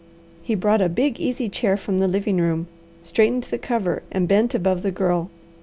He brought a big easy chair from the living room, straightened the cover, and bent above the Girl.